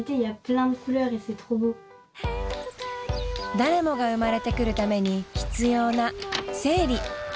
誰もが生まれてくるために必要な生理。